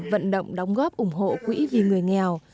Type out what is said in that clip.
vận động đóng góp ủng hộ quỹ vì người nghèo